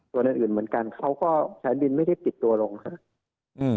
ส่วนอื่นอื่นเหมือนกันเขาก็สายบินไม่ได้ปิดตัวลงครับ